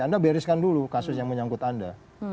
anda bereskan dulu kasus yang menyangkut anda